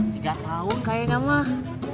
tiga tahun kayaknya mah